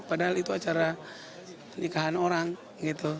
padahal itu acara nikahan orang gitu